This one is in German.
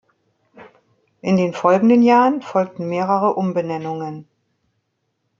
In den folgenden Jahren folgten mehrere Umbenennungen.